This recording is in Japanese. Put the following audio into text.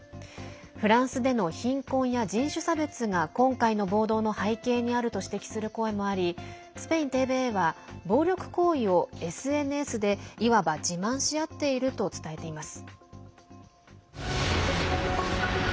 フランスでの貧困や人種差別が今回の暴動の背景にあると指摘する声もありスペインＴＶＥは暴力行為をＳＮＳで、いわば自慢しあっていると伝えています。